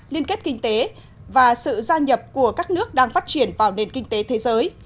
liên kết kinh tế và sự gia nhập của các nước đang phát triển vào nền kinh tế thế giới